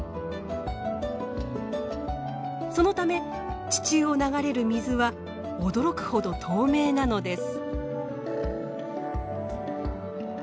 そのため地中を流れる水は驚くほど透明なのです。